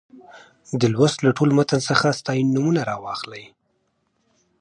دې لوست له ټول متن څخه ستاینومونه راواخلئ.